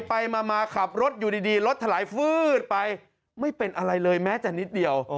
ไปมาขับรถอยู่ดีรถถลายฟืดไปไม่เป็นอะไรเลยแม้แต่นิดเดียว